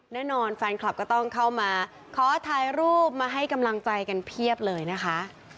แน่นอนแฟนคลับก็ต้องเข้ามาขอถ่ายรูปมาให้กำลังใจกันเพียบเลยนะคะ